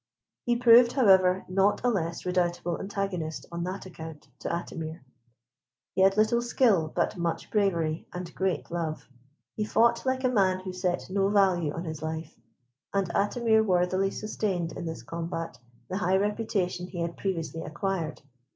He proved, however, not a less redoubtable antagonist on that account to Atimir. He had little skill, but much bravery, and great love. He fought like a man who set no value on his life, and Atimir worthily sustained in this combat the high reputation he had previously acquired.